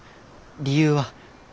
理由は？